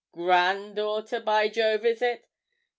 granddaughter, by Jove, is it?